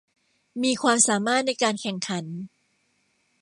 มีความสามารถในการแข่งขัน